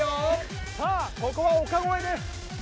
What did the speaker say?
さあここは丘越えです。